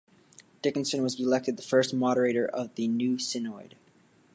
Dickinson was elected the first moderator of the new synod.